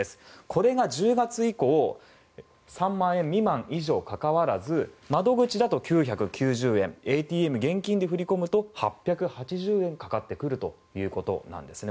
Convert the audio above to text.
これが１０月以降３万円未満、以上関わらず窓口だと９９０円ＡＴＭ、現金で振り込むと８８０円かかってくるということなんですね。